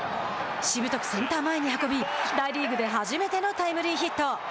しぶとくセンター前に運び大リーグで初めてのタイムリーヒット。